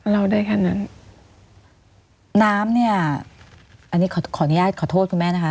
เล่าได้แค่นั้นน้ำเนี่ยอันนี้ขอขออนุญาตขอโทษคุณแม่นะคะ